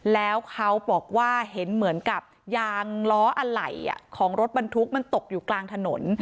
แล้วเขาบอกว่าเห็นเหมือนกับยางล้ออะไหล่ของรถบรรทุกมันตกอยู่กลางถนน